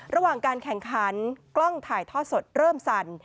ระหว่างการแข่งขันกล้องถ่ายทอดสดเริ่มสั่น